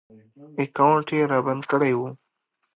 اکاونټ ېې رابند کړی و